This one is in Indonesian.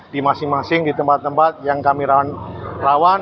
di masing masing di tempat tempat yang kami rawan